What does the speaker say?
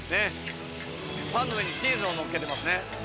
パンの上にチーズをのっけてますね。